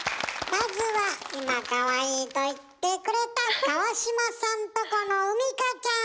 まずは今「かわいい」と言ってくれた川島さんとこの海荷ちゃん。